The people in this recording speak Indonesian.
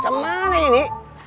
alamak cuman ini